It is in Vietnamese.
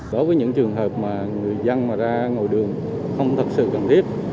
đối với những trường hợp mà người dân mà ra ngồi đường không thật sự cần thiết